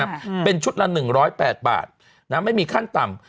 อืมเป็นชุดละ๑๐๘บาทนะฮะไม่มีขั้นต่ำ